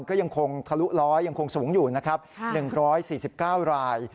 ก็ยังคงทะลุร้อยยังคงสูงอยู่นะครับ๑๔๙ราย